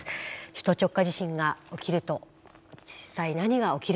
首都直下地震が起きると実際何が起きるのか。